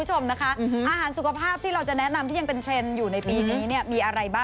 โอเคนะครับ